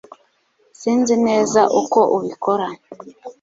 Sinzi neza uko ubikora